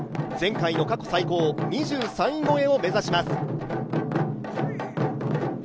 前回の過去最高２３位超えを目指します。